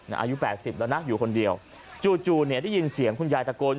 อายุ๘๐แล้วนะอยู่คนเดียวจู่เนี่ยได้ยินเสียงคุณยายตะโกน